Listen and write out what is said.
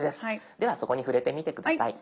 ではそこに触れてみて下さい。